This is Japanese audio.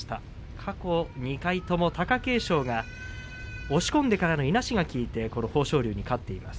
過去２回とも貴景勝が押し込んでからのいなしが効いて豊昇龍に勝っています。